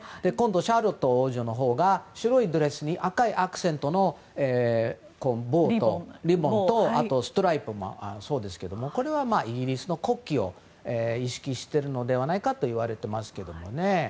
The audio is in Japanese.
シャーロット王女のほうが白いドレスに赤いアクセントのリボンとあとストライプもそうですけどこれはイギリスの国旗を意識してるのではないかと言われていますけどね。